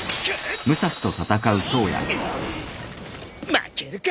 負けるか！